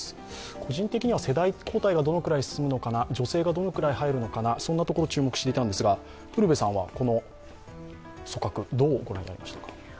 個人的に世代交代がどのくらい進むのかな、女性がどのくらい入るのかな、そんなところを注目していたんですが、ウルヴェさんはこの組閣、どう御覧になりましたか？